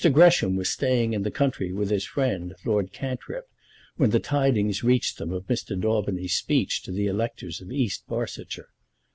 Gresham was staying in the country with his friend, Lord Cantrip, when the tidings reached them of Mr. Daubeny's speech to the electors of East Barsetshire.